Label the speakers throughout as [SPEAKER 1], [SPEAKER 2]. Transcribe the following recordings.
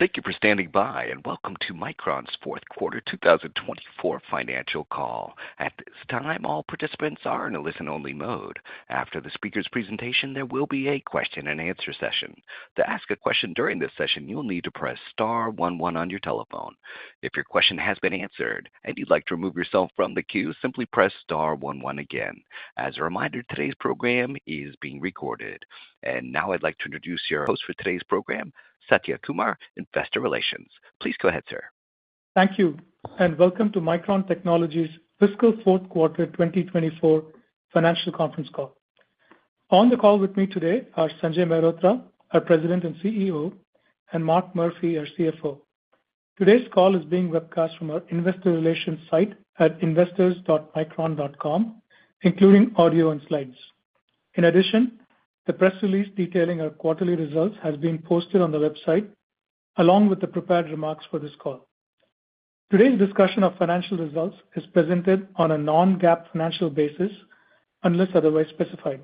[SPEAKER 1] Thank you for standing by, and welcome to Micron's fourth quarter 2024 call. At this time, all participants are in a listen-only mode. After the speaker's presentation, there will be a question-and-answer session. To ask a question during this session, you'll need to press star one one on your telephone. If your question has been answered and you'd like to remove yourself from the queue, simply press star one one again. As a reminder, today's program is being recorded. And now I'd like to introduce your host for today's program, Satya Kumar, Investor Relations. Please go ahead, sir.
[SPEAKER 2] Thank you, and welcome to Micron Technology's fiscal fourth quarter 2024 financial conference call. On the call with me today are Sanjay Mehrotra, our President and CEO, and Mark Murphy, our CFO. Today's call is being webcast from our investor relations site at investors.micron.com, including audio and slides. In addition, the press release detailing our quarterly results has been posted on the website, along with the prepared remarks for this call. Today's discussion of financial results is presented on a non-GAAP financial basis, unless otherwise specified.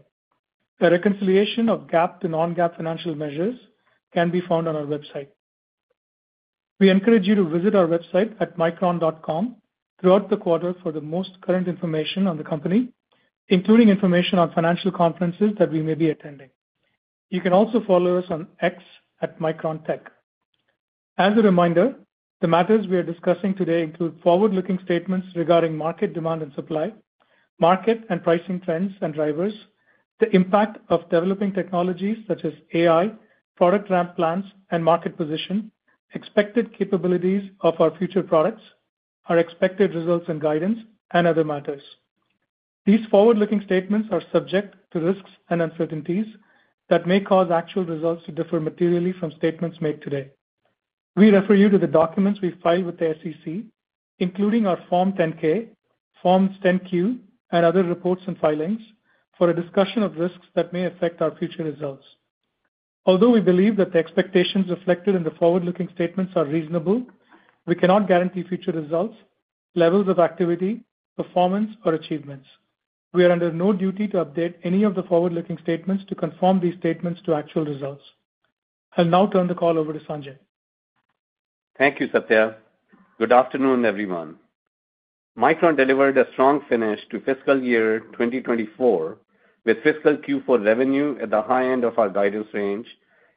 [SPEAKER 2] A reconciliation of GAAP to non-GAAP financial measures can be found on our website. We encourage you to visit our website at micron.com throughout the quarter for the most current information on the company, including information on financial conferences that we may be attending. You can also follow us on X, @MicronTech. As a reminder, the matters we are discussing today include forward-looking statements regarding market demand and supply, market and pricing trends and drivers, the impact of developing technologies such as AI, product ramp plans and market position, expected capabilities of our future products, our expected results and guidance, and other matters. These forward-looking statements are subject to risks and uncertainties that may cause actual results to differ materially from statements made today. We refer you to the documents we file with the SEC, including our Form 10-K, Forms 10-Q, and other reports and filings, for a discussion of risks that may affect our future results. Although we believe that the expectations reflected in the forward-looking statements are reasonable, we cannot guarantee future results, levels of activity, performance, or achievements. We are under no duty to update any of the forward-looking statements to confirm these statements to actual results. I'll now turn the call over to Sanjay.
[SPEAKER 3] Thank you, Satya. Good afternoon, everyone. Micron delivered a strong finish to fiscal year 2024, with fiscal Q4 revenue at the high end of our guidance range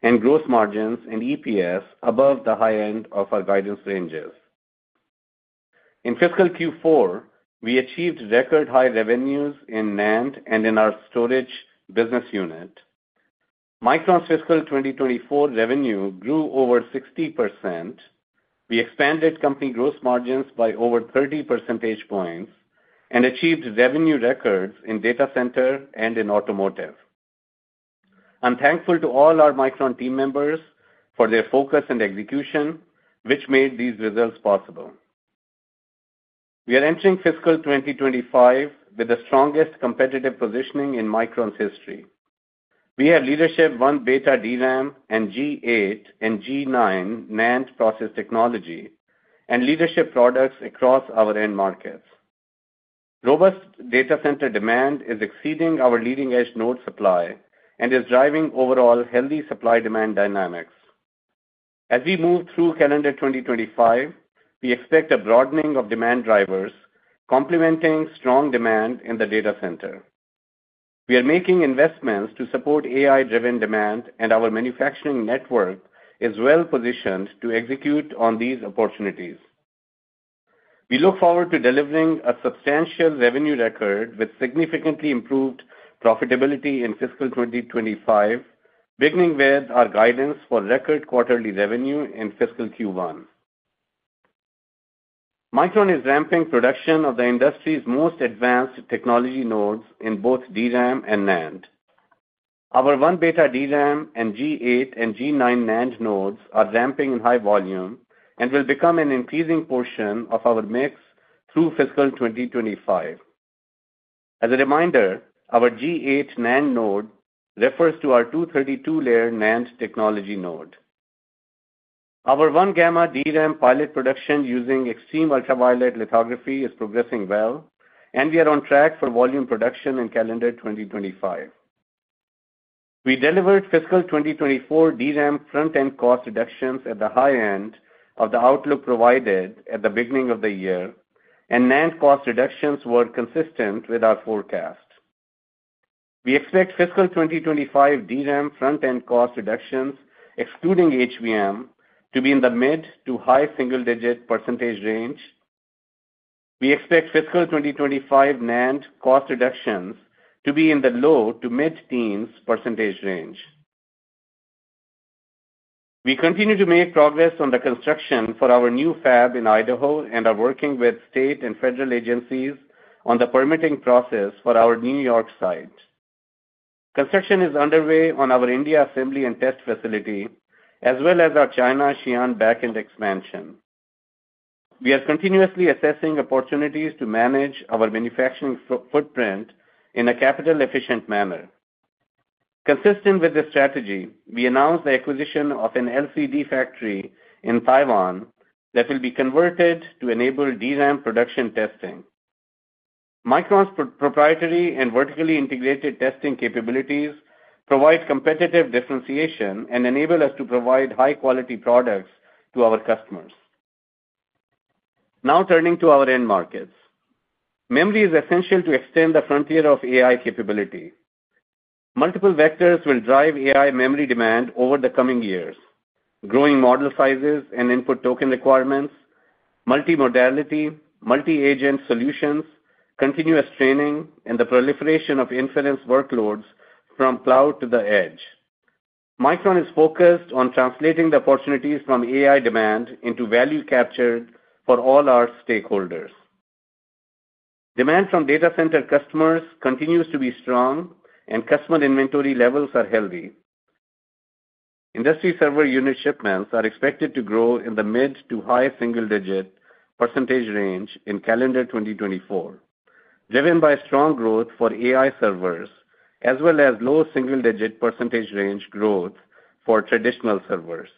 [SPEAKER 3] and gross margins and EPS above the high-end of our guidance ranges. In fiscal Q4, we achieved record high revenues in NAND and in our storage business unit. Micron's fiscal 2024 revenue grew over 60%. We expanded company gross margins by over 30 percentage points and achieved revenue records in data center and in automotive. I'm thankful to all our Micron team members for their focus and execution, which made these results possible. We are entering fiscal 2025 with the strongest competitive positioning in Micron's history. We have leadership 1-beta DRAM and G8 and G9 NAND process technology and leadership products across our end markets. Robust data center demand is exceeding our leading-edge node supply and is driving overall healthy supply-demand dynamics. As we move through calendar 2025, we expect a broadening of demand drivers, complementing strong demand in the data center. We are making investments to support AI-driven demand, and our manufacturing network is well positioned to execute on these opportunities. We look forward to delivering a substantial revenue record with significantly improved profitability in fiscal 2025, beginning with our guidance for record quarterly revenue in fiscal Q1. Micron is ramping production of the industry's most advanced technology nodes in both DRAM and NAND. Our 1-beta DRAM and G8 and G9 NAND nodes are ramping in high volume and will become an increasing portion of our mix through fiscal 2025. As a reminder, our G8 NAND node refers to our 232-layer NAND technology node. Our 1-gamma DRAM pilot production using extreme ultraviolet lithography is progressing well, and we are on track for volume production in calendar 2025. We delivered fiscal 2024 DRAM front-end cost reductions at the high end of the outlook provided at the beginning of the year, and NAND cost reductions were consistent with our forecast. We expect fiscal 2025 DRAM front-end cost reductions, excluding HBM, to be in the mid- to high-single-digit percentage range. We expect fiscal 2025 NAND cost reductions to be in the low- to mid-teens percentage range. We continue to make progress on the construction for our new fab in Idaho and are working with state and federal agencies on the permitting process for our New York site. Construction is underway on our India assembly and test facility, as well as our China, Xi'an, back-end expansion. We are continuously assessing opportunities to manage our manufacturing footprint in a capital-efficient manner. Consistent with this strategy, we announced the acquisition of an LCD factory in Taiwan that will be converted to enable DRAM production testing. Micron's proprietary and vertically integrated testing capabilities provide competitive differentiation and enable us to provide high-quality products to our customers. Now, turning to our end markets. Memory is essential to extend the frontier of AI capability. Multiple vectors will drive AI memory demand over the coming years, growing model sizes and input token requirements, multimodality, multi-agent solutions, continuous training, and the proliferation of inference workloads from cloud to the edge. Micron is focused on translating the opportunities from AI demand into value captured for all our stakeholders. Demand from data center customers continues to be strong, and customer inventory levels are healthy. Industry server unit shipments are expected to grow in the mid- to high single-digit percentage range in calendar 2024, driven by strong growth for AI servers, as well as low single-digit percentage range growth for traditional servers.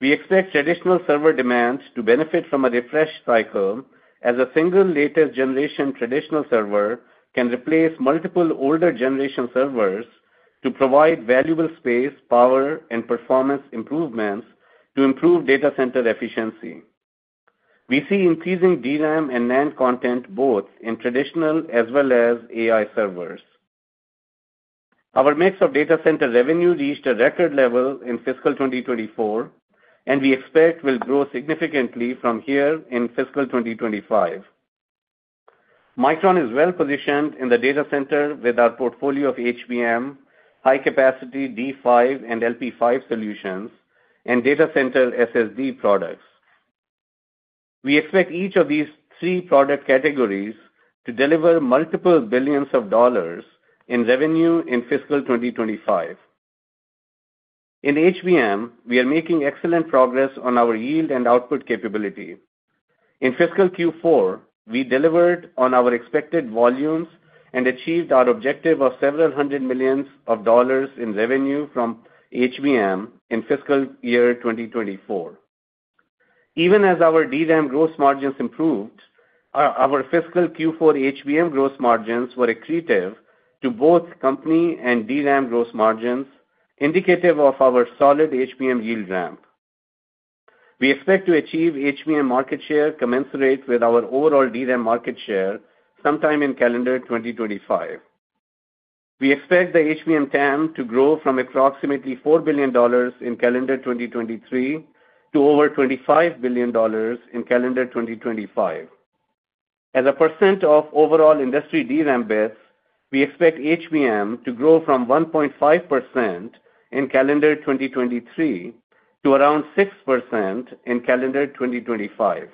[SPEAKER 3] We expect traditional server demands to benefit from a refresh cycle, as a single latest generation traditional server can replace multiple older generation servers to provide valuable space, power, and performance improvements to improve data center efficiency. We see increasing DRAM and NAND content both in traditional as well as AI servers. Our mix of data center revenue reached a record level in fiscal 2024, and we expect will grow significantly from here in fiscal 2025. Micron is well positioned in the data center with our portfolio of HBM, high-capacity D5 and LP5 solutions, and data center SSD products. We expect each of these three product categories to deliver multiple billions of dollars in revenue in fiscal 2025. In HBM, we are making excellent progress on our yield and output capability. In fiscal Q4, we delivered on our expected volumes and achieved our objective of several hundred millions of dollars in revenue from HBM in fiscal year 2024. Even as our DRAM gross margins improved, our fiscal Q4 HBM gross margins were accretive to both company and DRAM gross margins, indicative of our solid HBM yield ramp. We expect to achieve HBM market share commensurate with our overall DRAM market share sometime in calendar 2025. We expect the HBM TAM to grow from approximately $4 billion in calendar 2023 to over $25 billion in calendar 2025. As a percent of overall industry DRAM bits, we expect HBM to grow from 1.5% in calendar 2023 to around 6% in calendar 2025.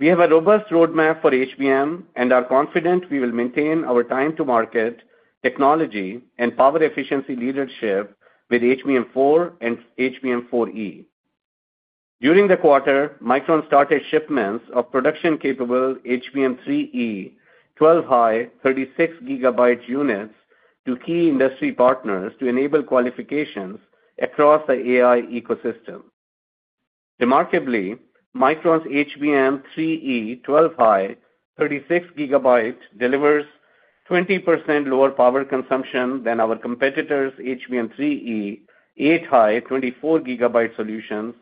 [SPEAKER 3] We have a robust roadmap for HBM and are confident we will maintain our time to market, technology, and power efficiency leadership with HBM4 and HBM4E. During the quarter, Micron started shipments of production-capable HBM3E, 12-high, 36-gigabyte units to key industry partners to enable qualifications across the AI ecosystem. Remarkably, Micron's HBM3E, 12-high, 36-gigabyte, delivers 20% lower power consumption than our competitors' HBM3E, 8-high, 24-gigabyte solutions,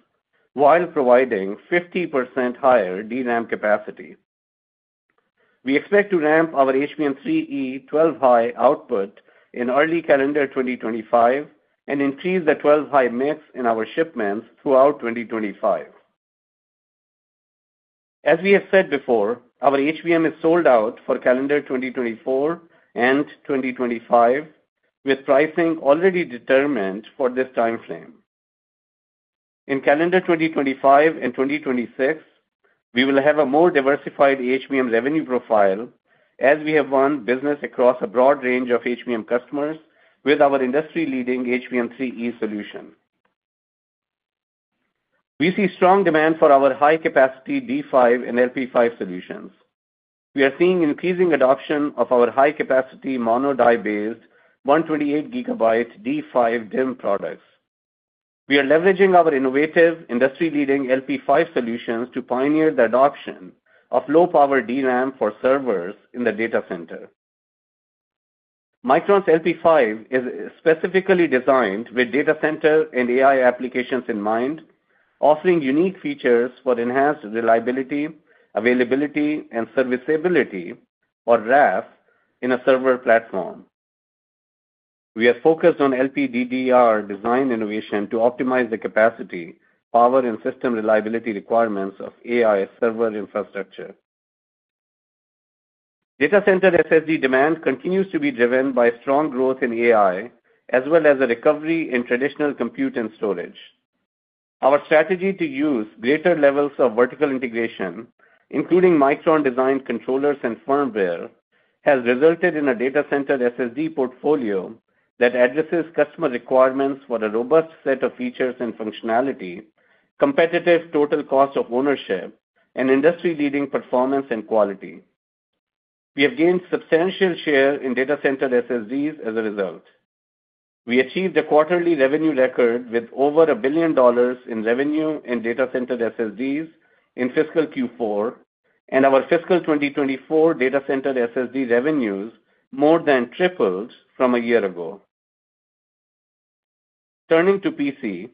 [SPEAKER 3] while providing 50% higher DRAM capacity. We expect to ramp our HBM3E, 12-high, output in early calendar 2025 and increase the 12-high mix in our shipments throughout 2025. As we have said before, our HBM is sold out for calendar 2024 and 2025, with pricing already determined for this time frame. In calendar 2025 and twenty twenty-six, we will have a more diversified HBM revenue profile as we have won business across a broad range of HBM customers with our industry-leading HBM3E solution. We see strong demand for our high-capacity D5 and LP5 solutions. We are seeing increasing adoption of our high-capacity mono-die based 128-gigabyte D5 DIMM products. We are leveraging our innovative, industry-leading LP5 solutions to pioneer the adoption of low-power DRAM for servers in the data center. Micron's LP5 is specifically designed with data center and AI applications in mind, offering unique features for enhanced reliability, availability, and serviceability, or RAS, in a server platform. We are focused on LPDDR design innovation to optimize the capacity, power, and system reliability requirements of AI server infrastructure. Data center SSD demand continues to be driven by strong growth in AI, as well as a recovery in traditional compute and storage. Our strategy to use greater levels of vertical integration, including Micron design controllers and firmware, has resulted in a data center SSD portfolio that addresses customer requirements for a robust set of features and functionality, competitive total cost of ownership, and industry-leading performance and quality. We have gained substantial share in data center SSDs as a result. We achieved a quarterly revenue record with over $1 billion in revenue in data center SSDs in fiscal Q4, and our fiscal 2024 data center SSD revenues more than tripled from a year ago. Turning to PC,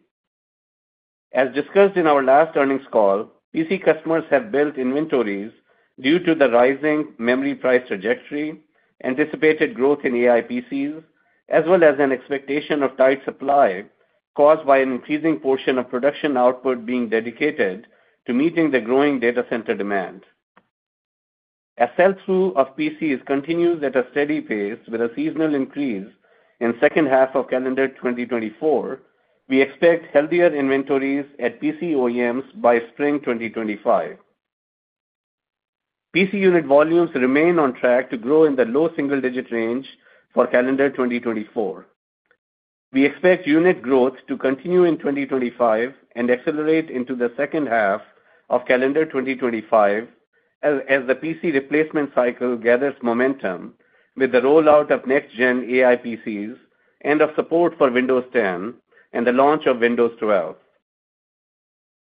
[SPEAKER 3] as discussed in our last earnings call, PC customers have built inventories due to the rising memory price trajectory, anticipated growth in AI PCs, as well as an expectation of tight supply caused by an increasing portion of production output being dedicated to meeting the growing data center demand. As sell-through of PCs continues at a steady pace with a seasonal increase in second half of calendar 2024, we expect healthier inventories at PC OEMs by spring 2025. PC unit volumes remain on track to grow in the low single-digit range for calendar 2024. We expect unit growth to continue in 2025 and accelerate into the second half of calendar 2025, as the PC replacement cycle gathers momentum with the rollout of next gen AI PCs and of support for Windows 10 and the launch of Windows 12.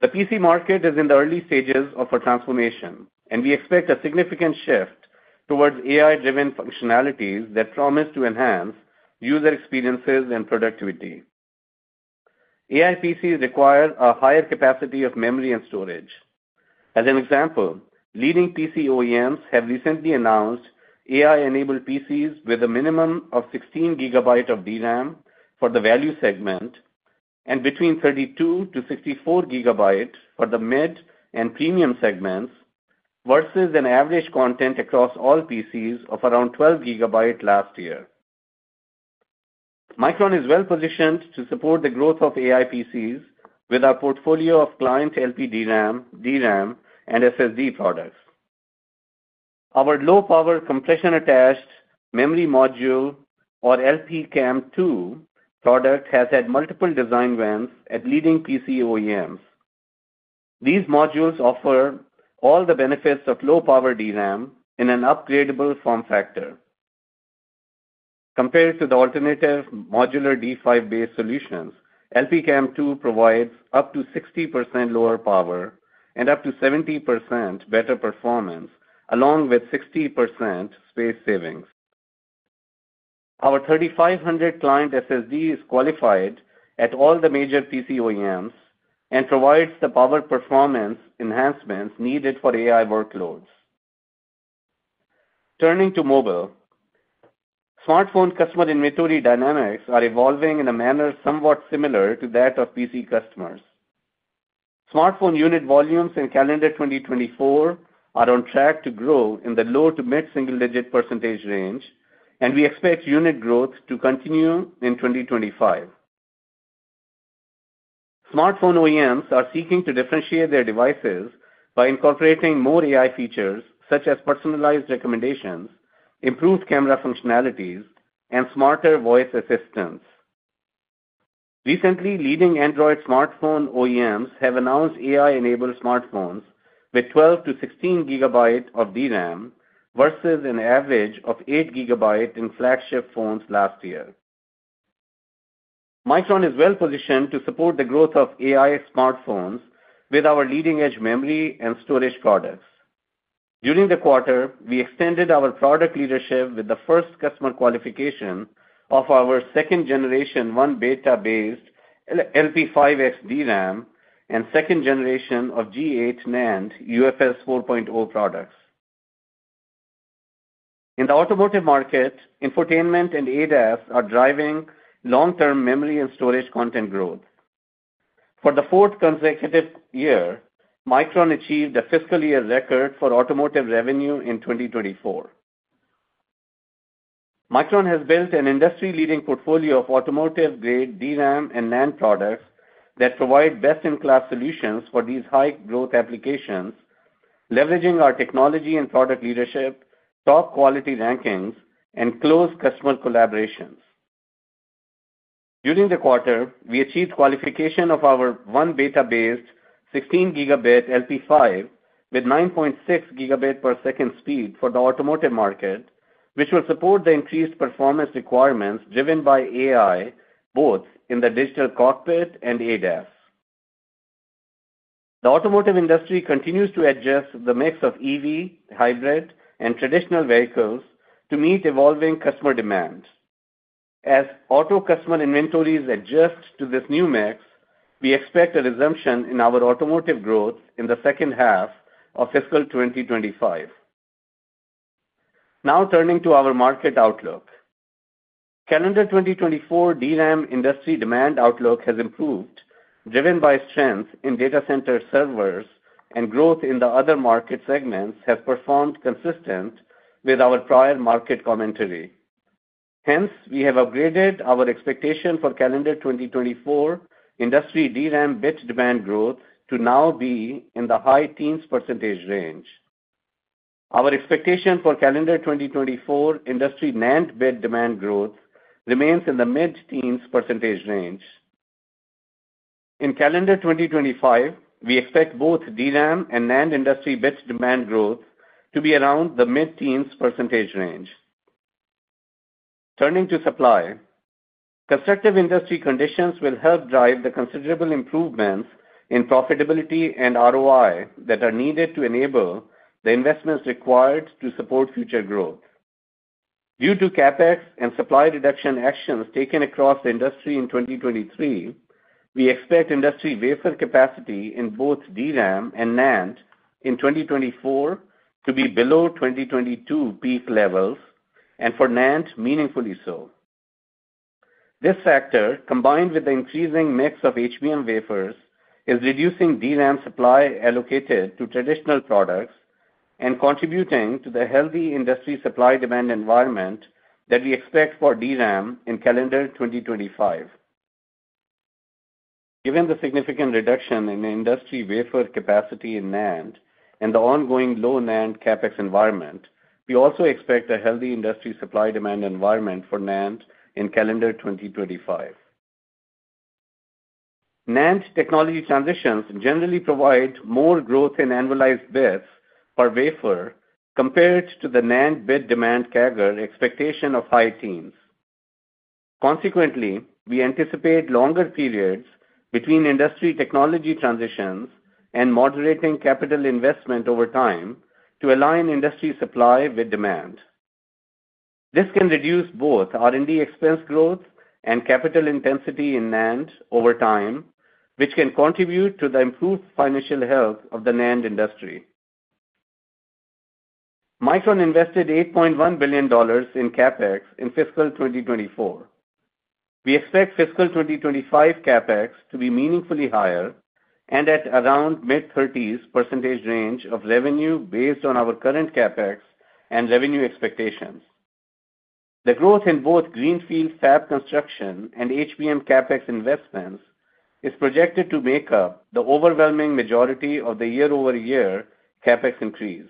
[SPEAKER 3] The PC market is in the early stages of a transformation, and we expect a significant shift towards AI-driven functionalities that promise to enhance user experiences and productivity. AI PCs require a higher capacity of memory and storage. As an example, leading PC OEMs have recently announced AI-enabled PCs with a minimum of 16 gigabyte of DRAM for the value segment and between 32-64 gigabyte for the mid and premium segments, versus an average content across all PCs of around 12 gigabyte last year. Micron is well positioned to support the growth of AI PCs with our portfolio of client LPDRAM, DRAM, and SSD products. Our low-power compression attached memory module, or LPCAMM2 product, has had multiple design wins at leading PC OEMs. These modules offer all the benefits of low-power DRAM in an upgradable form factor. Compared to the alternative modular D5-based solutions, LPCAMM2 provides up to 60% lower power and up to 70% better performance, along with 60% space savings. Our 3500 client SSD is qualified at all the major PC OEMs and provides the power performance enhancements needed for AI workloads. Turning to mobile, smartphone customer inventory dynamics are evolving in a manner somewhat similar to that of PC customers. Smartphone unit volumes in calendar 2024 are on track to grow in the low- to mid-single-digit percentage range, and we expect unit growth to continue in 2025. Smartphone OEMs are seeking to differentiate their devices by incorporating more AI features, such as personalized recommendations, improved camera functionalities, and smarter voice assistance. Recently, leading Android smartphone OEMs have announced AI-enabled smartphones with 12 to 16 gigabyte of DRAM versus an average of 8 gigabyte in flagship phones last year. Micron is well positioned to support the growth of AI smartphones with our leading-edge memory and storage products. During the quarter, we extended our product leadership with the first customer qualification of our second generation 1-beta-based LP5X DRAM and second generation of G8 NAND UFS 4.0 products. In the automotive market, infotainment and ADAS are driving long-term memory and storage content growth. For the fourth consecutive year, Micron achieved a fiscal year record for automotive revenue in 2024. Micron has built an industry-leading portfolio of automotive-grade DRAM and NAND products that provide best-in-class solutions for these high-growth applications, leveraging our technology and product leadership, top quality rankings, and close customer collaborations. During the quarter, we achieved qualification of our 1-beta-based 16-gigabit LP5 with 9.6 gigabit per second speed for the automotive market, which will support the increased performance requirements driven by AI, both in the digital cockpit and ADAS. The automotive industry continues to adjust the mix of EV, hybrid, and traditional vehicles to meet evolving customer demand. As auto customer inventories adjust to this new mix, we expect a resumption in our automotive growth in the second half of fiscal 2025. Now, turning to our market outlook. Calendar 2024 DRAM industry demand outlook has improved, driven by strength in data center servers and growth in the other market segments have performed consistent with our prior market commentary. Hence, we have upgraded our expectation for calendar 2024 industry DRAM bit demand growth to now be in the high teens percentage range. Our expectation for calendar 2024 industry NAND bit demand growth remains in the mid-teens percentage range. In calendar 2025, we expect both DRAM and NAND industry bits demand growth to be around the mid-teens percentage range. Turning to supply, constructive industry conditions will help drive the considerable improvements in profitability and ROI that are needed to enable the investments required to support future growth. Due to CapEx and supply reduction actions taken across the industry in 2023, we expect industry wafer capacity in both DRAM and NAND in 2024 to be below 2022 peak levels, and for NAND, meaningfully so. This factor, combined with the increasing mix of HBM wafers, is reducing DRAM supply allocated to traditional products and contributing to the healthy industry supply-demand environment that we expect for DRAM in calendar 2025. Given the significant reduction in industry wafer capacity in NAND and the ongoing low NAND CapEx environment, we also expect a healthy industry supply-demand environment for NAND in calendar 2025. NAND technology transitions generally provide more growth in annualized bits per wafer compared to the NAND bit demand CAGR expectation of high teens%. Consequently, we anticipate longer periods between industry technology transitions and moderating capital investment over time to align industry supply with demand. This can reduce both R&D expense growth and capital intensity in NAND over time, which can contribute to the improved financial health of the NAND industry. Micron invested $8.1 billion in CapEx in fiscal 2024. We expect fiscal 2025 CapEx to be meaningfully higher and at around mid-30spercentage range of revenue based on our current CapEx and revenue expectations. The growth in both greenfield fab construction and HBM CapEx investments is projected to make up the overwhelming majority of the year-over-year CapEx increase.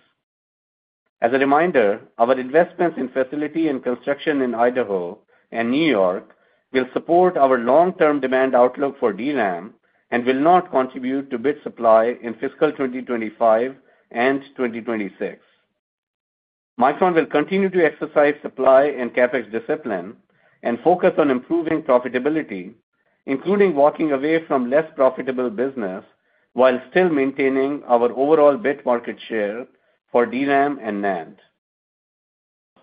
[SPEAKER 3] As a reminder, our investments in facility and construction in Idaho and New York will support our long-term demand outlook for DRAM and will not contribute to bit supply in fiscal 2025 and twenty twenty-six. Micron will continue to exercise supply and CapEx discipline and focus on improving profitability, including walking away from less profitable business, while still maintaining our overall bit market share for DRAM and NAND.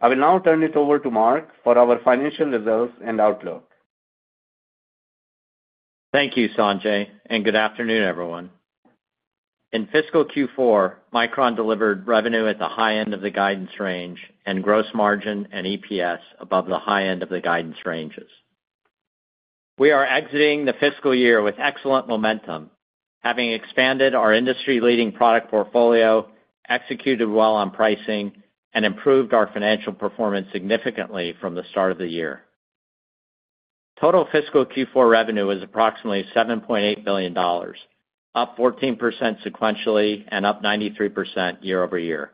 [SPEAKER 3] I will now turn it over to Mark for our financial results and outlook.
[SPEAKER 4] Thank you, Sanjay, and good afternoon, everyone. In fiscal Q4, Micron delivered revenue at the high end of the guidance range and gross margin and EPS above the high end of the guidance ranges. We are exiting the fiscal year with excellent momentum, having expanded our industry-leading product portfolio, executed well on pricing, and improved our financial performance significantly from the start of the year. Total fiscal Q4 revenue was approximately $7.8 billion, up 14% sequentially and up 93% year-over-year.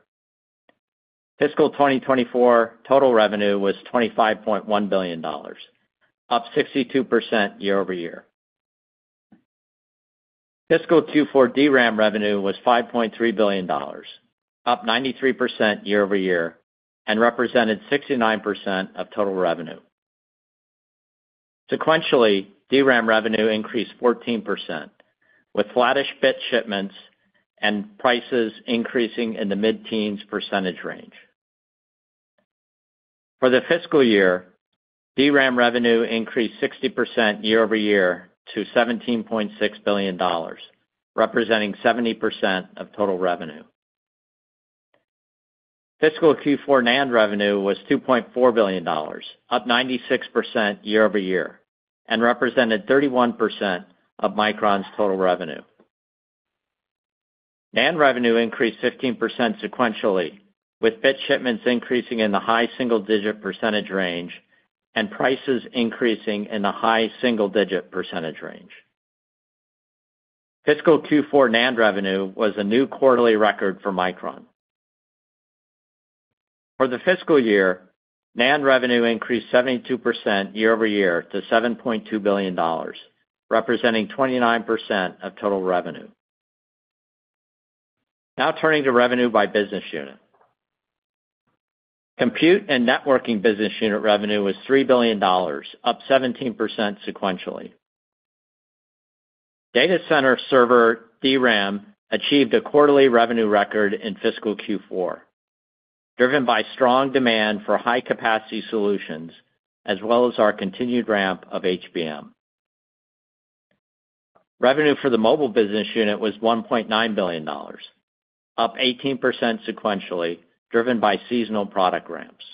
[SPEAKER 4] Fiscal 2024 total revenue was $25.1 billion, up 62% year-over-year. Fiscal Q4 DRAM revenue was $5.3 billion, up 93% year-over-year, and represented 69% of total revenue. Sequentially, DRAM revenue increased 14%, with flattish bit shipments and prices increasing in the mid-teens percentage range. For the fiscal year, DRAM revenue increased 60% year-over-year to $17.6 billion, representing 70% of total revenue. Fiscal Q4 NAND revenue was $2.4 billion, up 96% year-over-year, and represented 31% of Micron's total revenue. NAND revenue increased 15% sequentially, with bit shipments increasing in the high single-digit percentage range and prices increasing in the high single-digit percentage range. Fiscal Q4 NAND revenue was a new quarterly record for Micron. For the fiscal year, NAND revenue increased 72% year-over-year to $7.2 billion, representing 29% of total revenue. Now turning to revenue by business unit. Compute and networking business unit revenue was $3 billion, up 17% sequentially. Data center server DRAM achieved a quarterly revenue record in fiscal Q4, driven by strong demand for high-capacity solutions, as well as our continued ramp of HBM. Revenue for the mobile business unit was $1.9 billion, up 18% sequentially, driven by seasonal product ramps.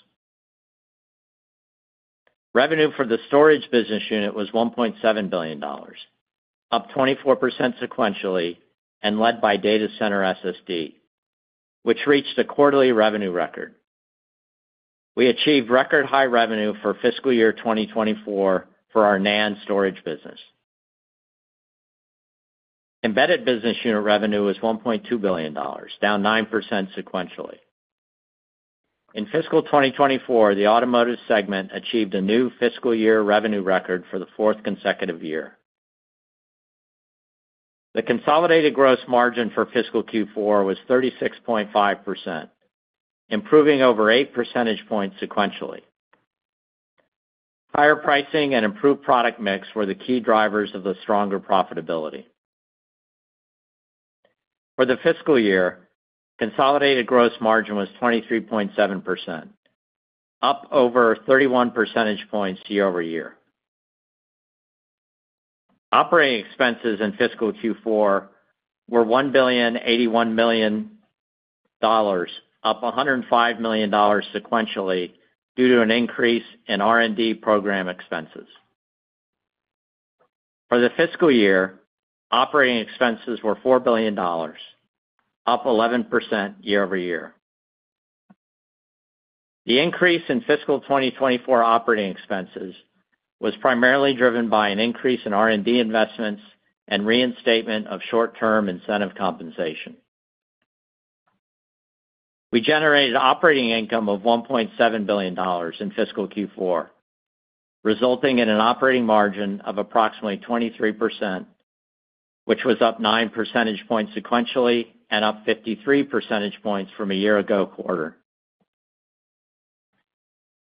[SPEAKER 4] Revenue for the storage business unit was $1.7 billion, up 24% sequentially and led by data center SSD, which reached a quarterly revenue record. We achieved record high revenue for fiscal year 2024 for our NAND storage business. Embedded business unit revenue was $1.2 billion, down 9% sequentially. In fiscal 2024, the automotive segment achieved a new fiscal year revenue record for the fourth consecutive year. The consolidated gross margin for fiscal Q4 was 36.5%, improving over eight percentage points sequentially. Higher pricing and improved product mix were the key drivers of the stronger profitability. For the fiscal year, consolidated gross margin was 23.7%, up over thirty-one percentage points year-over-year. Operating expenses in fiscal Q4 were $1.081 billion, up $105 million sequentially, due to an increase in R&D program expenses. For the fiscal year, operating expenses were $4 billion, up 11% year-over-year. The increase in fiscal 2024 operating expenses was primarily driven by an increase in R&D investments and reinstatement of short-term incentive compensation. We generated operating income of $1.7 billion in fiscal Q4, resulting in an operating margin of approximately 23%, which was up nine percentage points sequentially and up fifty-three percentage points from a year ago quarter.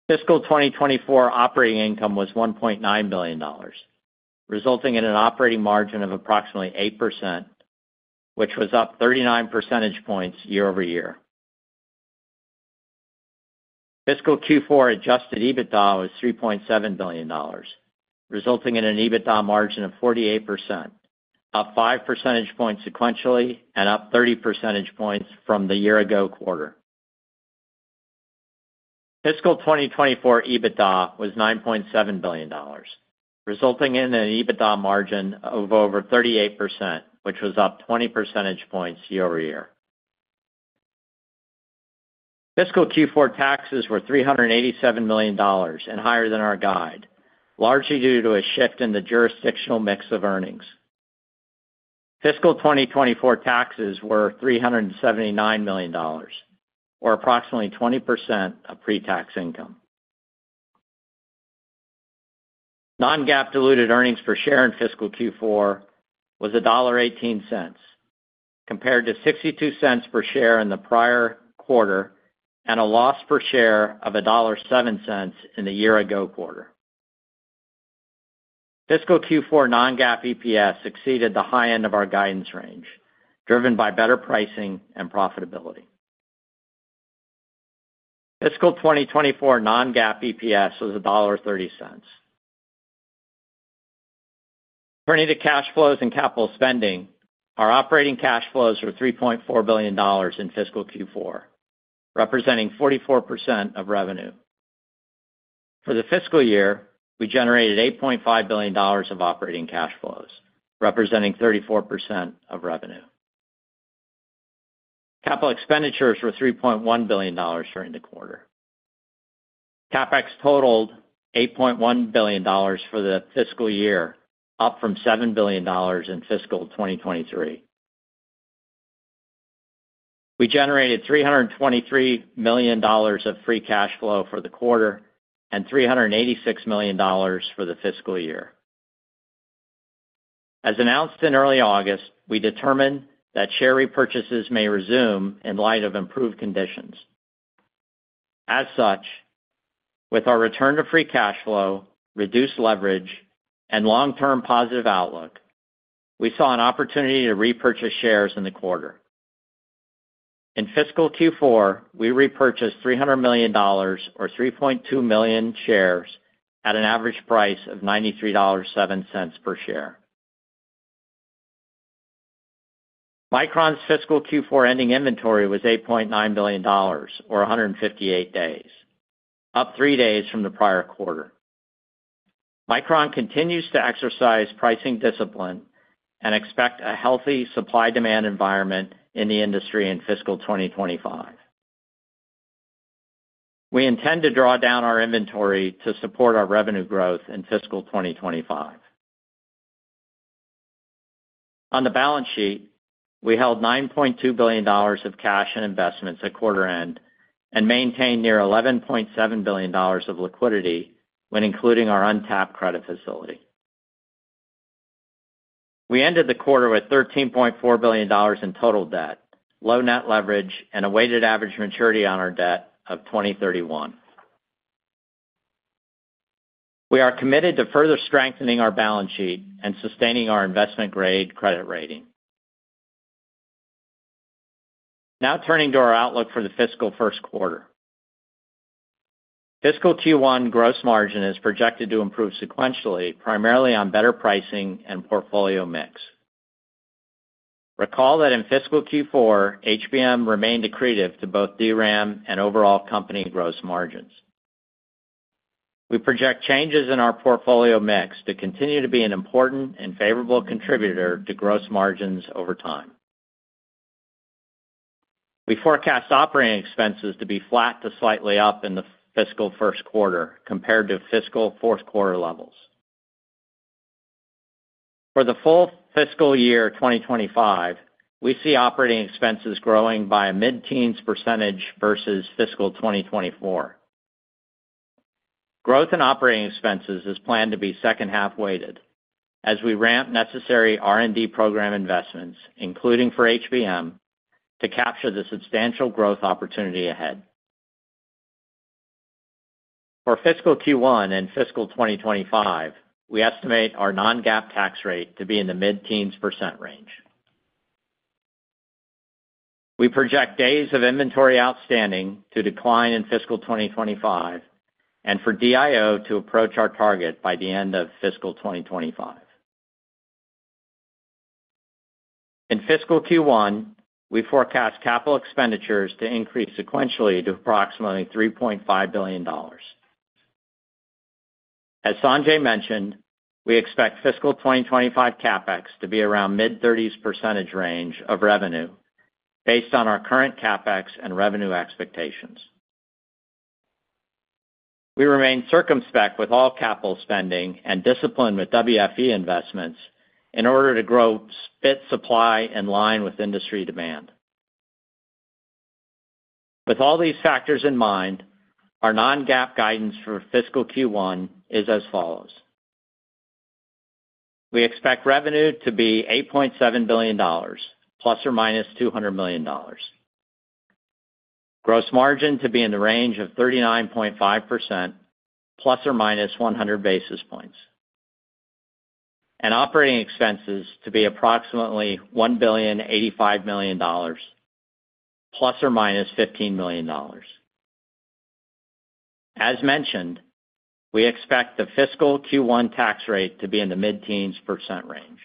[SPEAKER 4] Fiscal 2024 operating income was $1.9 billion, resulting in an operating margin of approximately 8%, which was up 39 percentage points year-over-year. Fiscal Q4 adjusted EBITDA was $3.7 billion, resulting in an EBITDA margin of 48%, up 5 percentage points sequentially and up 30 percentage points from the year ago quarter. Fiscal 2024 EBITDA was $9.7 billion, resulting in an EBITDA margin of over 38%, which was up 20% points year-over-year. Fiscal Q4 taxes were $387 million and higher than our guide, largely due to a shift in the jurisdictional mix of earnings. Fiscal 2024 taxes were $379 million, or approximately 20% of pre-tax income. Non-GAAP diluted earnings per share in fiscal Q4 was $1.18, compared to $0.62 per share in the prior quarter, and a loss per share of $1.07 in the year ago quarter. Fiscal Q4 non-GAAP EPS exceeded the high end of our guidance range, driven by better pricing and profitability. Fiscal 2024 non-GAAP EPS was $1.30. Turning to cash flows and capital spending, our operating cash flows were $3.4 billion in fiscal Q4, representing 44% of revenue. For the fiscal year, we generated $8.5 billion of operating cash flows, representing 34% of revenue. Capital expenditures were $3.1 billion during the quarter. CapEx totaled $8.1 billion for the fiscal year, up from $7 billion in fiscal 2023. We generated $323 million of free cash flow for the quarter and $386 million for the fiscal year. As announced in early August, we determined that share repurchases may resume in light of improved conditions. As such, with our return to free cash flow, reduced leverage, and long-term positive outlook, we saw an opportunity to repurchase shares in the quarter. In fiscal Q4, we repurchased $300 million, or 3.2 million shares, at an average price of $93.07 per share. Micron's fiscal Q4 ending inventory was $8.9 billion, or 158 days, up 3 days from the prior quarter. Micron continues to exercise pricing discipline and expect a healthy supply-demand environment in the industry in fiscal 2025. We intend to draw down our inventory to support our revenue growth in fiscal 2025. On the balance sheet, we held $9.2 billion of cash and investments at quarter end and maintained near $11.7 billion of liquidity when including our untapped credit facility. We ended the quarter with $13.4 billion in total debt, low net leverage, and a weighted average maturity on our debt of 2031. We are committed to further strengthening our balance sheet and sustaining our investment-grade credit rating. Now turning to our outlook for the fiscal first quarter. Fiscal Q1 gross margin is projected to improve sequentially, primarily on better pricing and portfolio mix. Recall that in fiscal Q4, HBM remained accretive to both DRAM and overall company gross margins. We project changes in our portfolio mix to continue to be an important and favorable contributor to gross margins over time. We forecast operating expenses to be flat to slightly up in the fiscal first quarter compared to fiscal fourth quarter levels. For the full fiscal year 2025, we see operating expenses growing by a mid-teens% versus fiscal 2024. Growth in operating expenses is planned to be second half weighted, as we ramp necessary R&D program investments, including for HBM, to capture the substantial growth opportunity ahead. For fiscal Q1 and fiscal 2025, we estimate our non-GAAP tax rate to be in the mid-teenspercentage range. We project days of inventory outstanding to decline in fiscal 2025, and for DIO to approach our target by the end of fiscal 2025. In fiscal Q1, we forecast capital expenditures to increase sequentially to approximately $3.5 billion. As Sanjay mentioned, we expect fiscal 2025 CapEx to be around mid-thirties percentage range of revenue, based on our current CapEx and revenue expectations. We remain circumspect with all capital spending and disciplined with WFE investments in order to grow bit supply in line with industry demand. With all these factors in mind, our non-GAAP guidance for fiscal Q1 is as follows: We expect revenue to be $8.7 billion ± $200 million. Gross margin to be in the range of 39.5% ± 100 basis points. And operating expenses to be approximately $1.085 billion ± $15 million. As mentioned, we expect the fiscal Q1 tax rate to be in the mid-teens percentage range.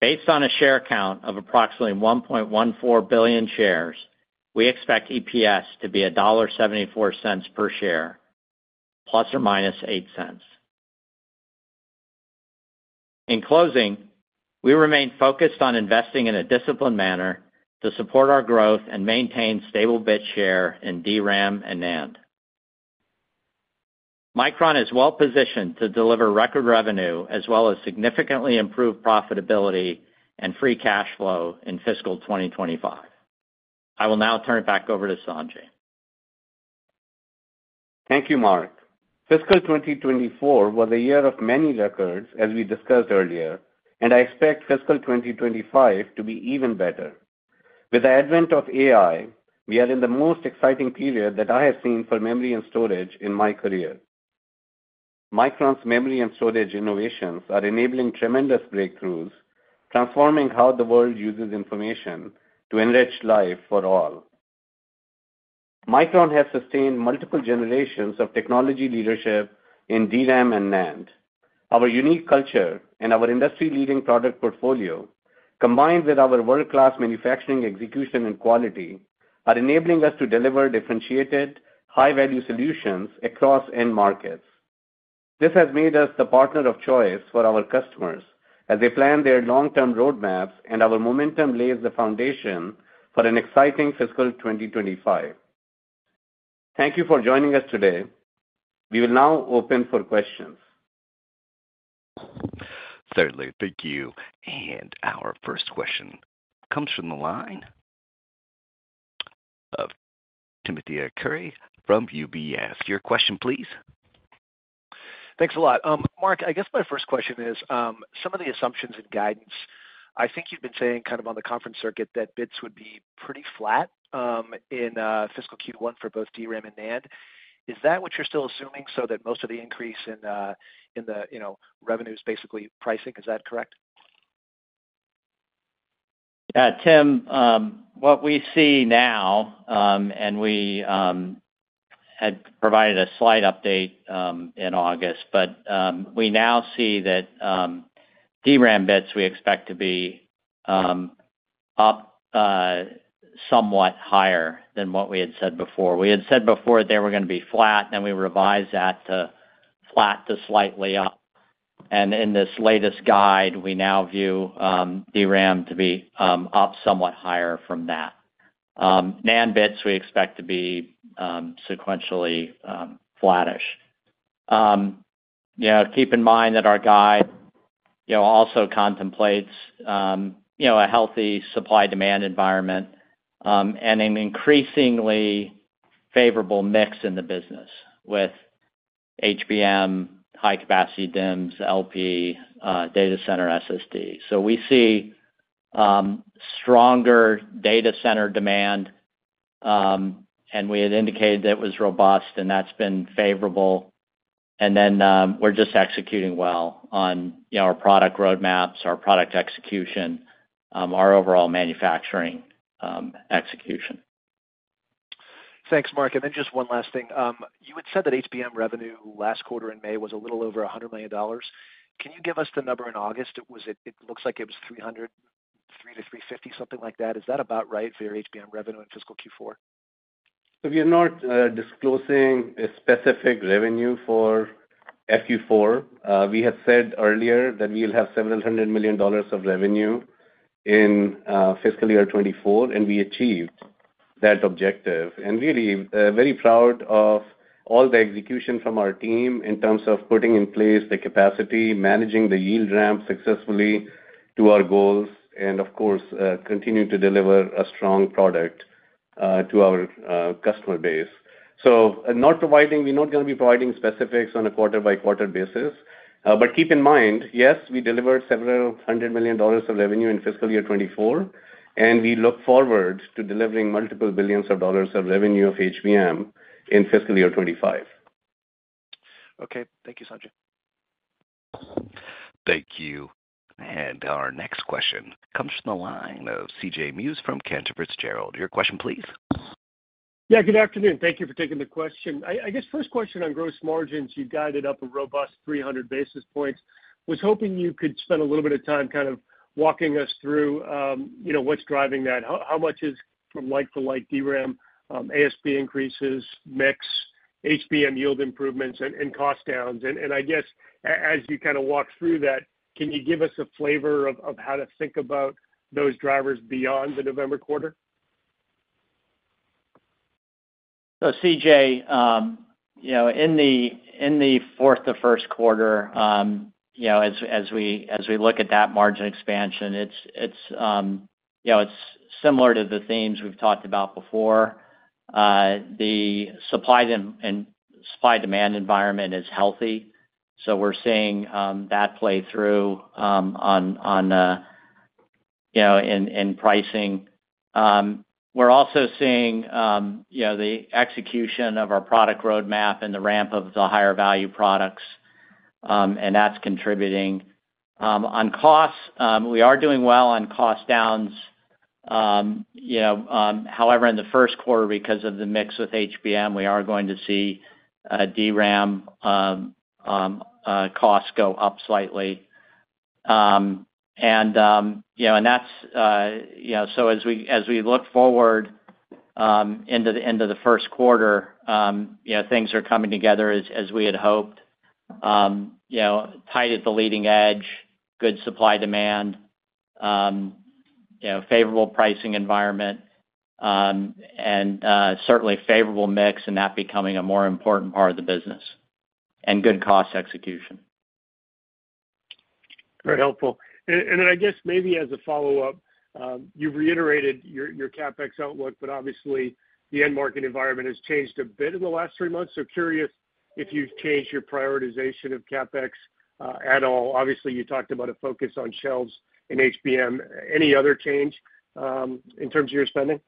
[SPEAKER 4] Based on a share count of approximately 1.14 billion shares, we expect EPS to be $1.74 per share, plus or minus $0.08. In closing, we remain focused on investing in a disciplined manner to support our growth and maintain stable bit share in DRAM and NAND. Micron is well positioned to deliver record revenue, as well as significantly improved profitability and free cash flow in fiscal 2025. I will now turn it back over to Sanjay.
[SPEAKER 3] Thank you, Mark. Fiscal 2024 was a year of many records, as we discussed earlier, and I expect fiscal 2025 to be even better. With the advent of AI, we are in the most exciting period that I have seen for memory and storage in my career. Micron's memory and storage innovations are enabling tremendous breakthroughs, transforming how the world uses information to enrich life for all. Micron has sustained multiple generations of technology leadership in DRAM and NAND. Our unique culture and our industry-leading product portfolio, combined with our world-class manufacturing, execution, and quality, are enabling us to deliver differentiated, high-value solutions across end markets. This has made us the partner of choice for our customers as they plan their long-term roadmaps, and our momentum lays the foundation for an exciting fiscal 2025. Thank you for joining us today. We will now open for questions.
[SPEAKER 1] Certainly. Thank you. And our first question comes from the line of Timothy Arcuri from UBS. Your question, please.
[SPEAKER 5] Thanks a lot. Mark, I guess my first question is, some of the assumptions and guidance, I think you've been saying kind of on the conference circuit that bits would be pretty flat, in fiscal Q1 for both DRAM and NAND. Is that what you're still assuming, so that most of the increase in the, you know, revenue is basically pricing? Is that correct?
[SPEAKER 4] Yeah, Tim, what we see now, and we had provided a slight update in August, but we now see that DRAM bits, we expect to be up somewhat higher than what we had said before. We had said before they were gonna be flat, then we revised that to flat to slightly up. And in this latest guide, we now view DRAM to be up somewhat higher from that. NAND bits, we expect to be sequentially flattish. You know, keep in mind that our guide also contemplates a healthy supply-demand environment, and an increasingly favorable mix in the business with HBM, high-capacity DIMMs, LP, data center SSD. So we see stronger data center demand, and we had indicated that it was robust, and that's been favorable. We're just executing well on, you know, our product roadmaps, our product execution, our overall manufacturing execution.
[SPEAKER 5] Thanks, Mark. And then just one last thing. You had said that HBM revenue last quarter in May was a little over $100 million. Can you give us the number in August? It looks like it was $303 million-$350 million, something like that. Is that about right for your HBM revenue in fiscal Q4?
[SPEAKER 3] We are not disclosing a specific revenue for FY24. We had said earlier that we'll have several hundred million dollars of revenue in fiscal year 2024, and we achieved that objective. And really, very proud of all the execution from our team in terms of putting in place the capacity, managing the yield ramp successfully to our goals, and of course, continuing to deliver a strong product to our customer base. So not providing- we're not gonna be providing specifics on a quarter-by-quarter basis. But keep in mind, yes, we delivered several hundred million dollars of revenue in fiscal year 2024, and we look forward to delivering multiple billions of dollars of revenue of HBM in fiscal year 2025.
[SPEAKER 5] Okay. Thank you, Sanjay.
[SPEAKER 1] Thank you. And our next question comes from the line of C.J. Muse from Cantor Fitzgerald. Your question, please.
[SPEAKER 6] Yeah, good afternoon. Thank you for taking the question. I guess first question on gross margins. You guided up a robust 300 basis points. I was hoping you could spend a little bit of time kind of walking us through, you know, what's driving that. How much is from like-for-like DRAM ASP increases, mix, HBM yield improvements, and cost downs? And I guess as you kind of walk through that, can you give us a flavor of how to think about those drivers beyond the November quarter?
[SPEAKER 4] So, CJ, you know, in the fourth to first quarter, you know, as we look at that margin expansion, it's, you know, it's similar to the themes we've talked about before. The supply-demand environment is healthy, so we're seeing that play through, you know, in pricing. We're also seeing, you know, the execution of our product roadmap and the ramp of the higher value products, and that's contributing. On costs, we are doing well on cost downs. You know, however, in the first quarter, because of the mix with HBM, we are going to see DRAM costs go up slightly. And, you know, and that's. You know, so as we, as we look forward into the end of the first quarter, you know, things are coming together as, as we had hoped. You know, tight at the leading edge, good supply-demand, you know, favorable pricing environment, and certainly favorable mix, and that becoming a more important part of the business, and good cost execution.
[SPEAKER 6] Very helpful. And then I guess maybe as a follow-up, you've reiterated your CapEx outlook, but obviously, the end market environment has changed a bit in the last three months. So curious if you've changed your prioritization of CapEx at all. Obviously, you talked about a focus on shelves in HBM. Any other change in terms of your spending?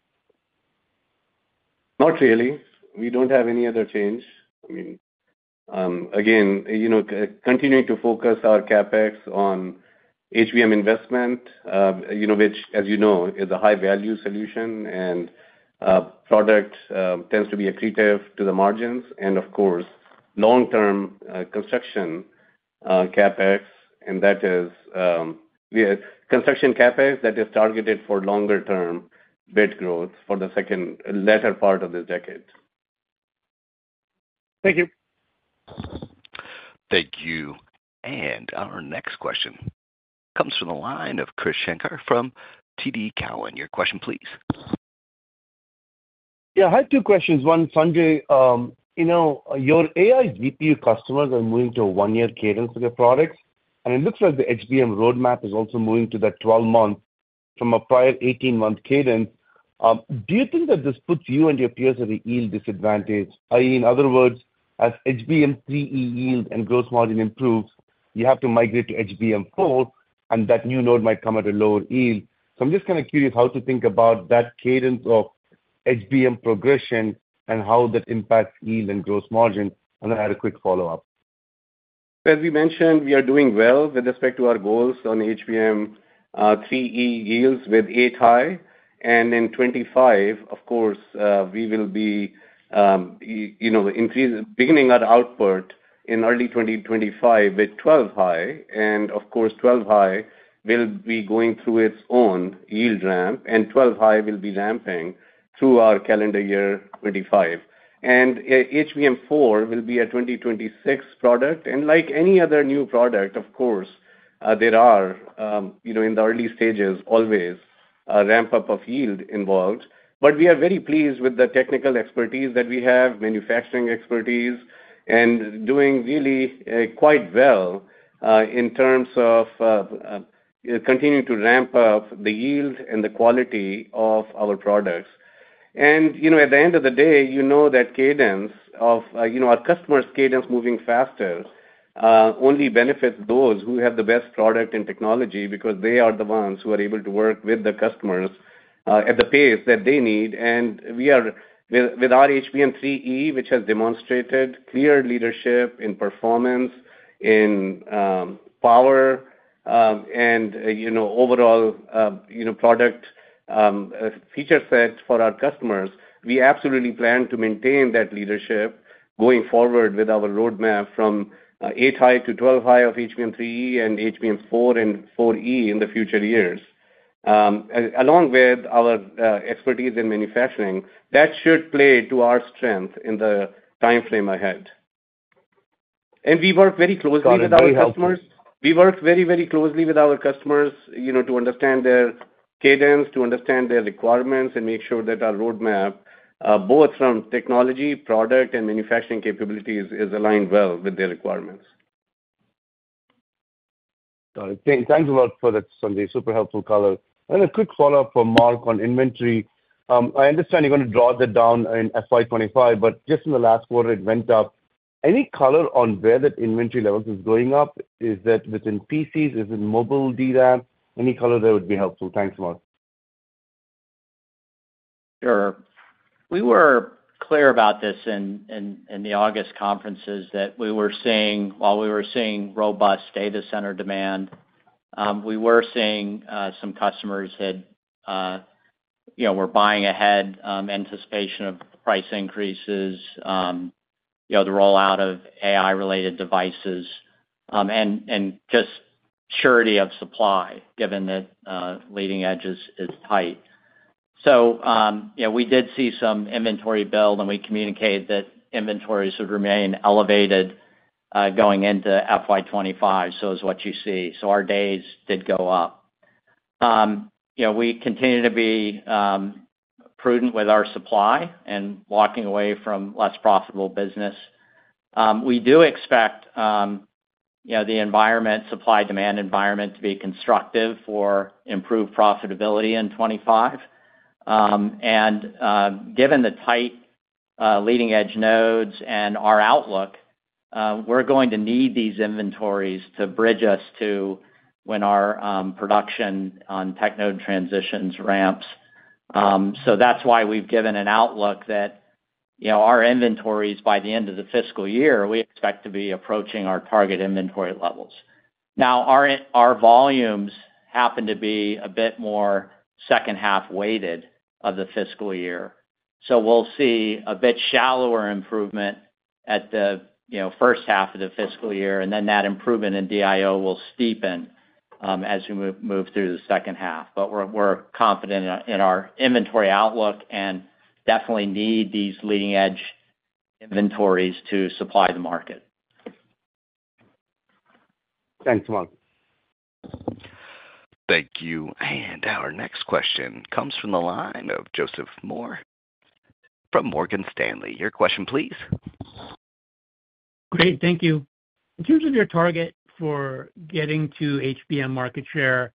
[SPEAKER 3] Not really. We don't have any other change. I mean, again, you know, continuing to focus our CapEx on HBM investment, you know, which, as you know, is a high-value solution and product, tends to be accretive to the margins and, of course, long-term construction CapEx, and that is construction CapEx that is targeted for longer-term bit growth for the second, latter part of this decade.
[SPEAKER 6] Thank you.
[SPEAKER 1] Thank you, and our next question comes from the line of Krish Sankar from TD Cowen. Your question, please.
[SPEAKER 7] Yeah, I have two questions. One, Sanjay, you know, your AI GPU customers are moving to a one-year cadence for their products, and it looks like the HBM roadmap is also moving to that 12-month from a prior 18-month cadence. Do you think that this puts you and your peers at a yield disadvantage? i.e., in other words, as HBM3E yield and gross margin improves, you have to migrate to HBM4, and that new node might come at a lower yield. So I'm just kind of curious how to think about that cadence of HBM progression and how that impacts yield and gross margin. And I had a quick follow-up.
[SPEAKER 3] As we mentioned, we are doing well with respect to our goals on HBM3E yields with 8-high. And in 2025, of course, we will be, you know, beginning our output in early 2025 with 12-high, and of course, 12-high will be going through its own yield ramp, and 12-high will be ramping through our calendar year 2025. And, HBM4 will be a 2026 product, and like any other new product, of course, there are, you know, in the early stages, always a ramp-up of yield involved. But we are very pleased with the technical expertise that we have, manufacturing expertise, and doing really quite well in terms of continuing to ramp up the yield and the quality of our products. You know, at the end of the day, you know that cadence of our customer's cadence moving faster only benefits those who have the best product and technology because they are the ones who are able to work with the customers at the pace that they need. We are with our HBM3E, which has demonstrated clear leadership in performance, in power, and, you know, overall, product feature set for our customers, we absolutely plan to maintain that leadership going forward with our roadmap from eight high to twelve high of HBM3E and HBM4 and HBM4E in the future years. Along with our expertise in manufacturing, that should play to our strength in the timeframe ahead. We work very closely with our customers. We work very, very closely with our customers, you know, to understand their cadence, to understand their requirements, and make sure that our roadmap, both from technology, product, and manufacturing capabilities, is aligned well with their requirements.
[SPEAKER 7] Got it. Thanks, thanks a lot for that, Sanjay. Super helpful color. And a quick follow-up for Mark on inventory. I understand you're gonna draw that down in FY twenty-five, but just in the last quarter, it went up. Any color on where that inventory levels is going up? Is that within PCs, is it mobile DRAM? Any color there would be helpful. Thanks a lot.
[SPEAKER 4] Sure. We were clear about this in the August conferences, that we were seeing robust data center demand, while some customers had, you know, were buying ahead anticipation of price increases, you know, the rollout of AI-related devices, and just surety of supply, given that leading edges is tight. So, you know, we did see some inventory build, and we communicated that inventories would remain elevated going into FY 2025, so is what you see. So our days did go up. You know, we continue to be prudent with our supply and walking away from less profitable business. We do expect, you know, the environment, supply-demand environment, to be constructive for improved profitability in 2025. And, given the tight leading-edge nodes and our outlook, we're going to need these inventories to bridge us to when our production on tech node transitions ramps. So that's why we've given an outlook that, you know, our inventories by the end of the fiscal year, we expect to be approaching our target inventory levels. Now, our volumes happen to be a bit more second half weighted of the fiscal year, so we'll see a bit shallower improvement at the, you know, first half of the fiscal year, and then that improvement in DIO will steepen, as we move through the second half. But we're confident in our inventory outlook and definitely need these leading-edge inventories to supply the market.
[SPEAKER 7] Thanks, Mark.
[SPEAKER 1] Thank you. And our next question comes from the line of Joseph Moore from Morgan Stanley. Your question please.
[SPEAKER 8] Great, thank you. In terms of your target for getting to HBM market share,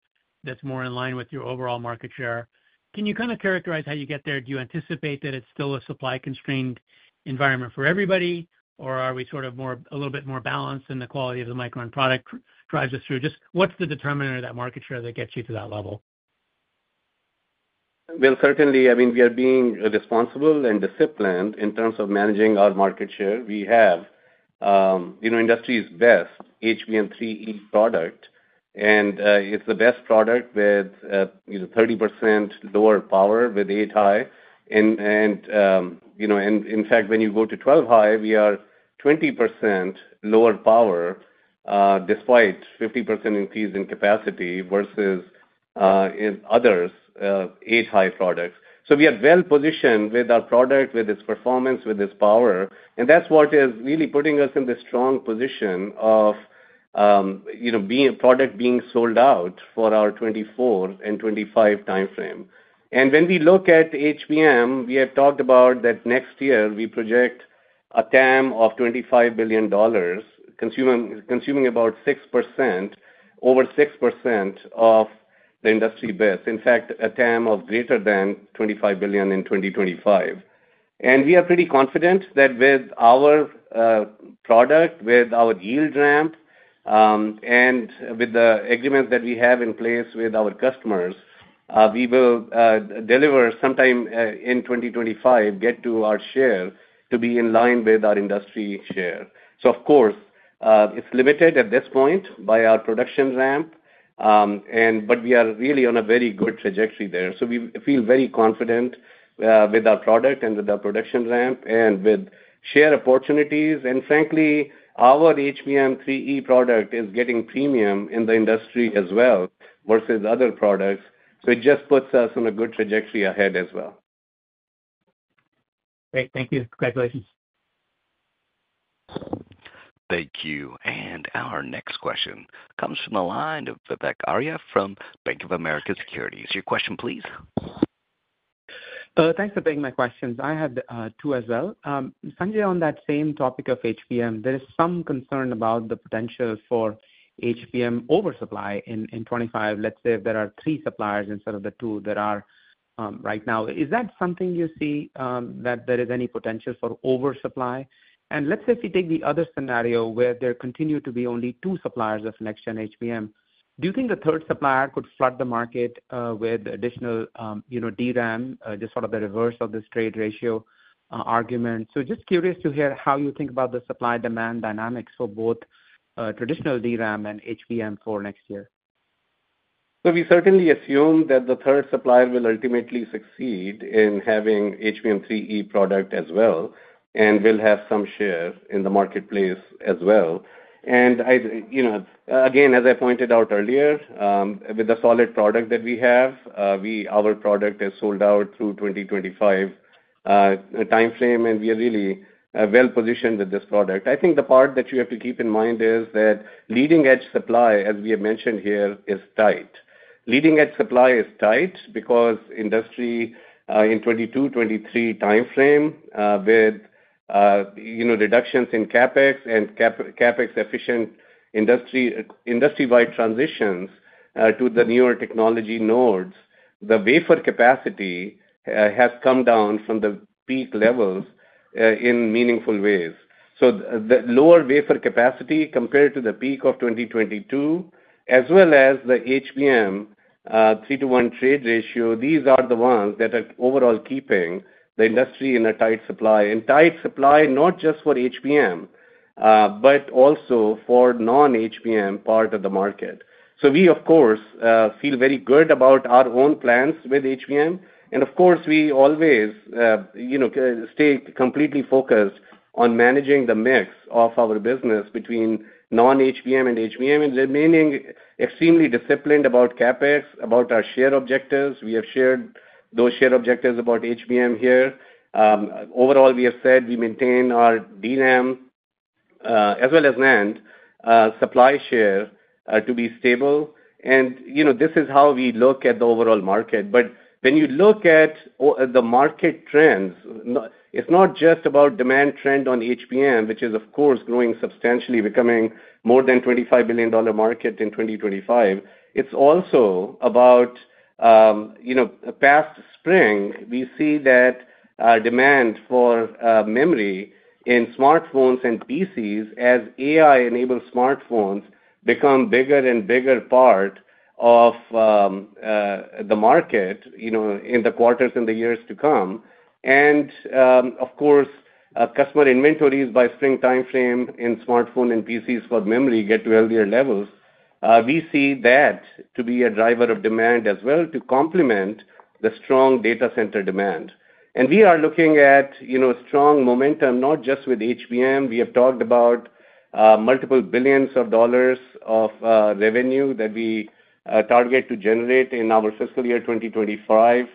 [SPEAKER 8] that's more in line with your overall market share, can you kind of characterize how you get there? Do you anticipate that it's still a supply-constrained environment for everybody, or are we sort of more, a little bit more balanced, and the quality of the Micron product drives us through? Just what's the determiner of that market share that gets you to that level?
[SPEAKER 3] Certainly, I mean, we are being responsible and disciplined in terms of managing our market share. We have, you know, industry's best HBM3E product, and it's the best product with, you know, 30% lower power with eight high. And, you know, in fact, when you go to twelve high, we are 20% lower power, despite 50% increase in capacity versus in others eight high products. So we are well positioned with our product, with its performance, with its power, and that's what is really putting us in the strong position of, you know, being sold out for our 2024 and 2025 timeframe. And when we look at HBM, we have talked about that next year. We project a TAM of $25 billion, consuming about 6%, over 6% of the industry base. In fact, a TAM of greater than $25 billion in 2025. And we are pretty confident that with our product, with our yield ramp, and with the agreements that we have in place with our customers, we will deliver sometime in 2025, get to our share to be in line with our industry share. So of course, it's limited at this point by our production ramp, and but we are really on a very good trajectory there. So we feel very confident with our product and with our production ramp and with share opportunities. Frankly, our HBM3E product is getting premium in the industry as well versus other products, so it just puts us on a good trajectory ahead as well.
[SPEAKER 8] Great. Thank you. Congratulations.
[SPEAKER 1] Thank you. And our next question comes from the line of Vivek Arya from Bank of America Securities. Your question please.
[SPEAKER 9] Thanks for taking my questions. I have two as well. Sanjay, on that same topic of HBM, there is some concern about the potential for HBM oversupply in twenty-five. Let's say if there are three suppliers instead of the two there are right now. Is that something you see that there is any potential for oversupply? And let's say if you take the other scenario where there continue to be only two suppliers of next-gen HBM, do you think the third supplier could flood the market with additional you know DRAM just sort of the reverse of this trade ratio argument? So just curious to hear how you think about the supply-demand dynamics for both traditional DRAM and HBM for next year.
[SPEAKER 3] So we certainly assume that the third supplier will ultimately succeed in having HBM3E product as well, and will have some share in the marketplace as well. And I, you know, again, as I pointed out earlier, with the solid product that we have, our product is sold out through 2025 time frame, and we are really well positioned with this product. I think the part that you have to keep in mind is that leading edge supply, as we have mentioned here, is tight. Leading edge supply is tight because industry in 2022, 2023 time frame, with you know, reductions in CapEx and CapEx-efficient industry, industry-wide transitions to the newer technology nodes, the wafer capacity has come down from the peak levels in meaningful ways. So the lower wafer capacity compared to the peak of 2022, as well as the HBM 3-to-1 trade ratio, these are the ones that are overall keeping the industry in a tight supply, and tight supply, not just for HBM, but also for non-HBM part of the market, so we, of course, feel very good about our own plans with HBM, and of course, we always, you know, stay completely focused on managing the mix of our business between non-HBM and HBM, and remaining extremely disciplined about CapEx, about our share objectives. We have shared those share objectives about HBM here. Overall, we have said we maintain our DRAM, as well as NAND, supply share to be stable, and, you know, this is how we look at the overall market. But when you look at the market trends, it's not just about demand trend on HBM, which is, of course, growing substantially, becoming more than a $25 billion market in 2025. It's also about, you know, past spring, we see that demand for memory in smartphones and PCs, as AI-enabled smartphones become bigger and bigger part of the market, you know, in the quarters and the years to come. And, of course, customer inventories by spring timeframe in smartphone and PCs for memory get to healthier levels. We see that to be a driver of demand as well, to complement the strong data center demand. And we are looking at, you know, strong momentum, not just with HBM. We have talked about multiple billions of dollars of revenue that we target to generate in our fiscal year 2025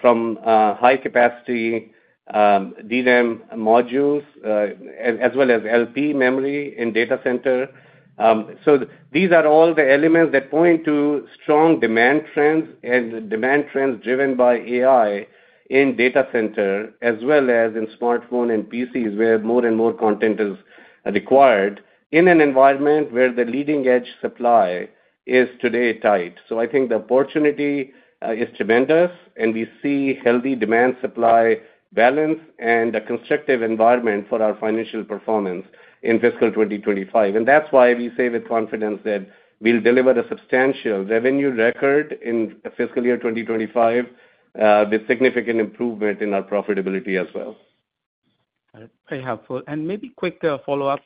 [SPEAKER 3] from high capacity DRAM modules as well as LP memory in data center. So these are all the elements that point to strong demand trends driven by AI in data center as well as in smartphone and PCs where more and more content is required in an environment where the leading edge supply is today tight. So I think the opportunity is tremendous, and we see healthy demand-supply balance and a constructive environment for our financial performance in fiscal 2025. And that's why we say with confidence that we'll deliver a substantial revenue record in fiscal year 2025 with significant improvement in our profitability as well.
[SPEAKER 9] Very helpful. And maybe quick follow-up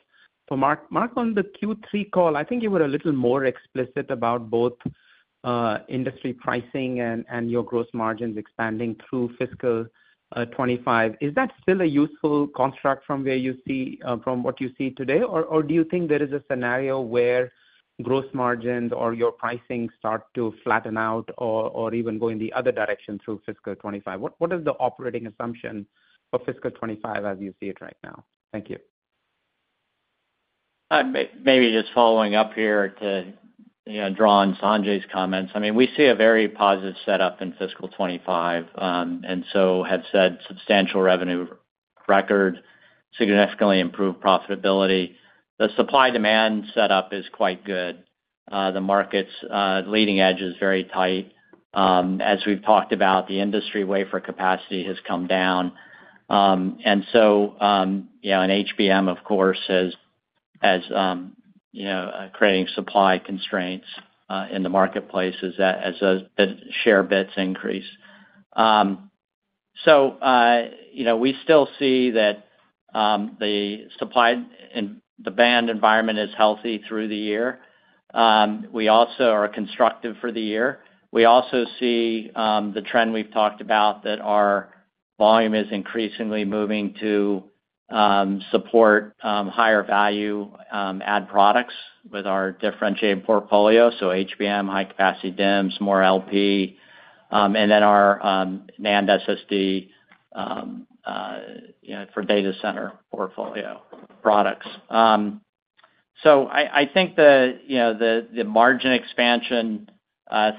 [SPEAKER 9] for Mark. Mark, on the Q3 call, I think you were a little more explicit about both industry pricing and your gross margins expanding through fiscal twenty-five. Is that still a useful construct from what you see today? Or do you think there is a scenario where gross margins or your pricing start to flatten out or even go in the other direction through fiscal twenty-five? What is the operating assumption for fiscal twenty-five, as you see it right now? Thank you.
[SPEAKER 4] Maybe just following up here to, you know, draw on Sanjay's comments. I mean, we see a very positive setup in fiscal twenty-five, and so have said substantial revenue record, significantly improved profitability. The supply-demand setup is quite good. The market's leading edge is very tight. As we've talked about, the industry wafer capacity has come down. And so, you know, and HBM, of course, has creating supply constraints in the marketplace as that, the DRAM bits increase. So, you know, we still see that the supply and demand environment is healthy through the year. We also are constructive for the year. We also see the trend we've talked about, that our volume is increasingly moving to support higher value AI products with our differentiated portfolio. So HBM, high capacity DIMMs, more LP, and then our NAND, SSD, you know, for data center portfolio products. So I think, you know, the margin expansion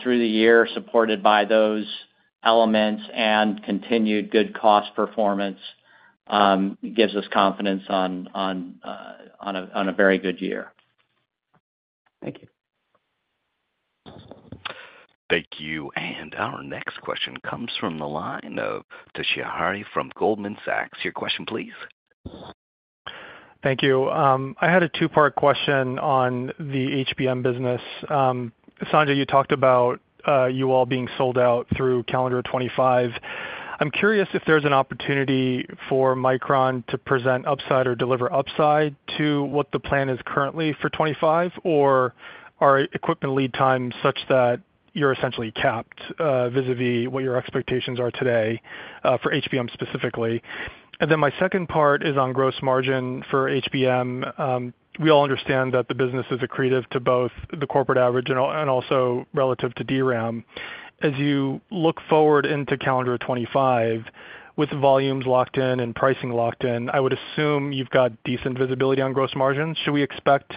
[SPEAKER 4] through the year, supported by those elements and continued good cost performance, gives us confidence on a very good year.
[SPEAKER 9] Thank you.
[SPEAKER 1] Thank you, and our next question comes from the line of Toshiya Hari from Goldman Sachs. Your question, please.
[SPEAKER 10] Thank you. I had a two-part question on the HBM business. Sanjay, you talked about you all being sold out through calendar twenty-five. I'm curious if there's an opportunity for Micron to present upside or deliver upside to what the plan is currently for twenty-five, or are equipment lead times such that you're essentially capped vis-a-vis what your expectations are today for HBM specifically? And then my second part is on gross margin for HBM. We all understand that the business is accretive to both the corporate average and also relative to DRAM. As you look forward into calendar twenty-five, with volumes locked in and pricing locked in, I would assume you've got decent visibility on gross margins. Should we expect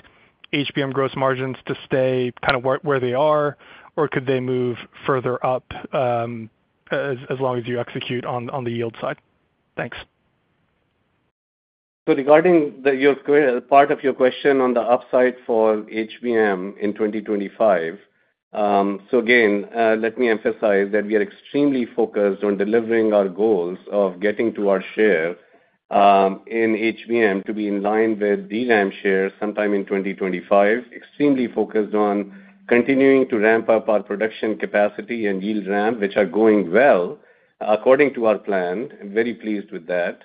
[SPEAKER 10] HBM gross margins to stay kind of where they are, or could they move further up, as long as you execute on the yield side? Thanks.
[SPEAKER 3] Regarding your question on the upside for HBM in 2025, again, let me emphasize that we are extremely focused on delivering our goals of getting to our share in HBM to be in line with the DRAM share sometime in 2025. Extremely focused on continuing to ramp up our production capacity and yield ramp, which are going well according to our plan, and very pleased with that.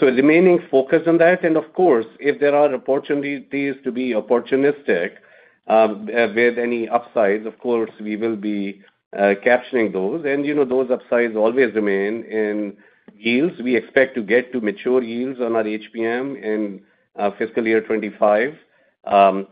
[SPEAKER 3] Remaining focused on that, and of course, if there are opportunities to be opportunistic with any upsides, of course, we will be capturing those. You know, those upsides always remain in yields. We expect to get to mature yields on our HBM in fiscal year 2025.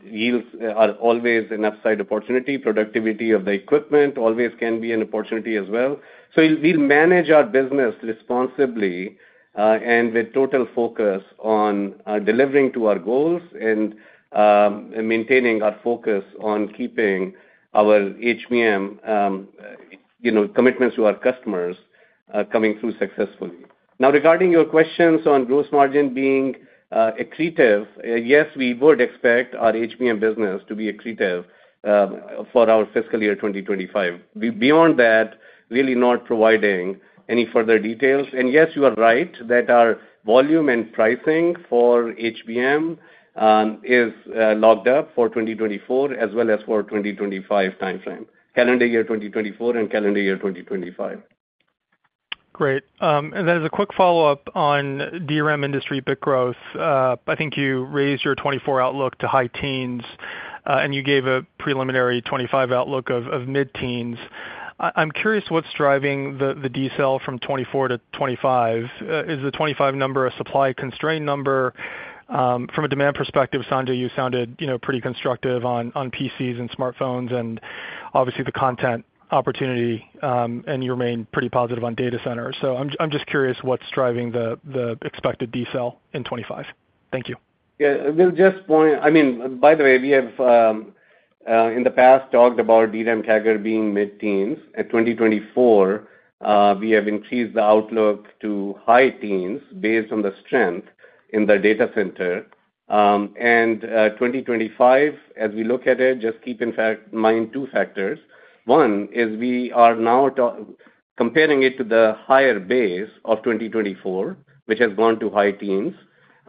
[SPEAKER 3] Yields are always an upside opportunity. Productivity of the equipment always can be an opportunity as well. So we'll manage our business responsibly, and with total focus on delivering to our goals and maintaining our focus on keeping our HBM, you know, commitments to our customers coming through successfully. Now, regarding your questions on gross margin being accretive, yes, we would expect our HBM business to be accretive for our fiscal year 2025. Beyond that, really not providing any further details. And yes, you are right that our volume and pricing for HBM is locked up for 2024 as well as for 2025 timeframe. Calendar year 2024 and calendar year 2025.
[SPEAKER 10] Great. And then as a quick follow-up on DRAM industry bit growth, I think you raised your 2024 outlook to high-teens%, and you gave a preliminary 2025 outlook of mid-teens%. I'm curious what's driving the decel from 2024 to 2025. Is the 2025 number a supply constraint number? From a demand perspective, Sanjay, you sounded, you know, pretty constructive on PCs and smartphones and obviously the content opportunity, and you remain pretty positive on data centers. So I'm just curious what's driving the expected decel in 2025. Thank you.
[SPEAKER 3] Yeah, we'll just point. I mean, by the way, we have in the past talked about DRAM CAGR being mid-teens. At 2024, we have increased the outlook to high teens based on the strength in the data center. And 2025, as we look at it, just keep in fact mind two factors. One is we are now comparing it to the higher base of 2024, which has gone to high teens.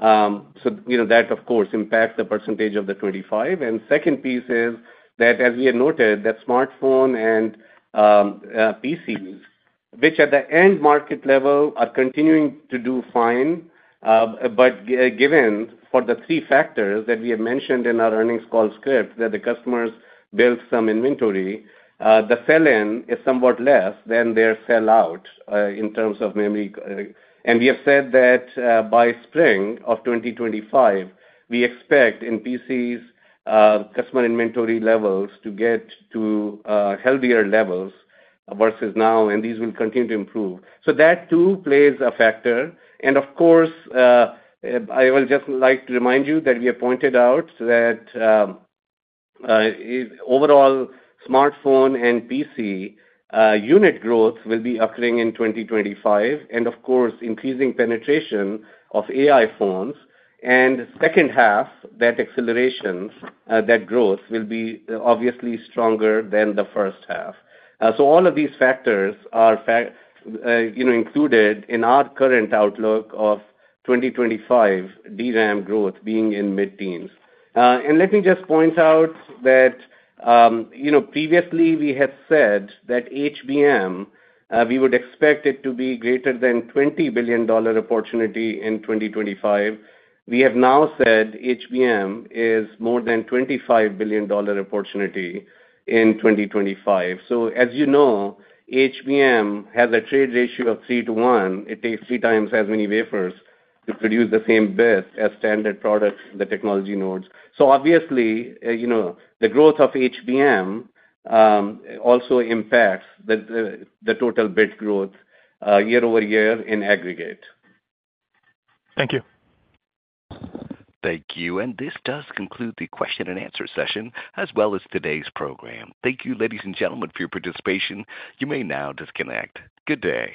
[SPEAKER 3] So, you know, that, of course, impacts the percentage of the 2025. Second piece is that, as we had noted, that smartphone and PCs, which at the end market level are continuing to do fine, but given for the three factors that we have mentioned in our earnings call script, that the customers built some inventory, the sell-in is somewhat less than their sell-out, in terms of memory. And we have said that, by spring of 2025, we expect in PCs, customer inventory levels to get to, healthier levels versus now, and these will continue to improve. That too plays a factor. Of course, I will just like to remind you that we have pointed out that, overall smartphone and PC, unit growth will be occurring in 2025, and of course, increasing penetration of AI phones. Second half, that acceleration, that growth will be obviously stronger than the first half. So all of these factors are a fact, you know, included in our current outlook of 2025 DRAM growth being in mid-teens. And let me just point out that, you know, previously we had said that HBM, we would expect it to be greater than $20 billion opportunity in 2025. We have now said HBM is more than $25 billion opportunity in 2025. So as you know, HBM has a trade ratio of three to one. It takes three times as many wafers to produce the same bit as standard products, the technology nodes. So obviously, you know, the growth of HBM also impacts the total bit growth, year-over-year in aggregate.
[SPEAKER 10] Thank you.
[SPEAKER 1] Thank you. And this does conclude the question and answer session, as well as today's program. Thank you, ladies and gentlemen, for your participation. You may now disconnect. Good day.